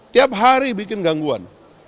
tiap hari bikin gangguan